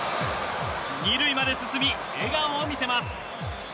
２塁まで進み笑顔を見せます。